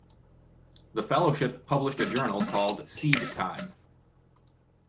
The Fellowship published a journal called "Seed-Time".